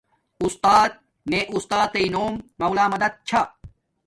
اُستات میے اُستاتݵ نوم مولا مدد چھا